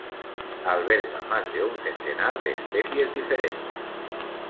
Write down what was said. Alberga más de un centenar de especies diferentes.